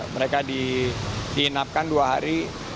mereka dihinapkan dua hari